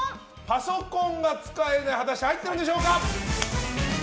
パソコンが使えない果たして入っているでしょうか。